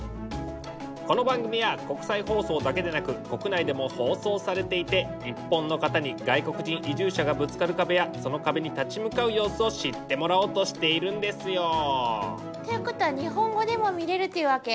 この番組は国際放送だけでなく国内でも放送されていて日本の方に外国人移住者がぶつかる壁やその壁に立ち向かう様子を知ってもらおうとしているんですよ。ということは日本語でも見れるっていうわけ？